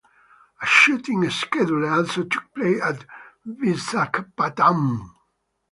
A shooting schedule also took place at Visakhapatnam.